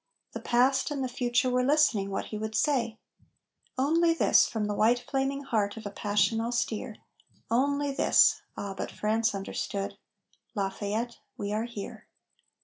The past and the future were listening what he would say Only this, from the white flaming heart of a passion austere, Only this ah, but France understood! "Lafayette, we are here!"